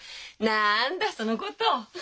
なんだそのこと。